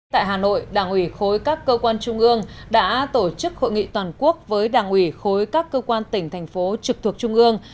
tại hà nội đảng ủy khối các cơ quan trung ương đã tổ chức hội nghị toàn quốc với đảng ủy khối các cơ quan tỉnh thành phố trực thuộc trung ương